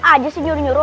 aja sih nyuruh nyuruh